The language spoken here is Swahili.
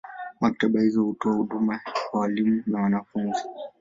Maktaba hizi hutoa huduma kwa walimu na wanafunzi.